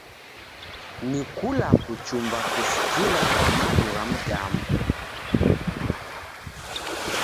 Ni kula kuchumba kusikirika kwa madu gha mdamu.